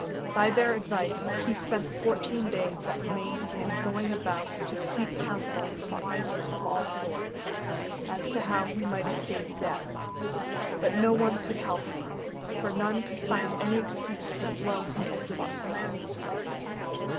By their advice he spent the fourteen days that remained to him going about to seek counsel from wise men of all sorts, as to how he might escape death, but no one could help him, for none could find any excuse for the blow he had given to the prince.